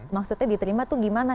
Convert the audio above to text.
maksudnya diterima itu gimana